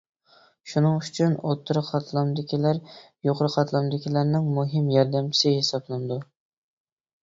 شۇنىڭ ئۈچۈن ئوتتۇرا قاتلامدىكىلەر يۇقىرى قاتلامدىكىلەرنىڭ مۇھىم ياردەمچىسى ھېسابلىنىدۇ.